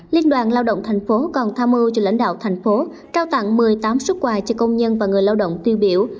liên đoàn lao động tp hcm còn tham mưu cho lãnh đạo thành phố trao tặng một mươi tám xuất quà cho công nhân và người lao động tiêu biểu